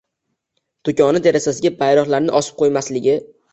do‘koni derazasiga bayroqlarni osib qo‘ymasligi